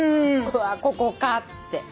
ここかって。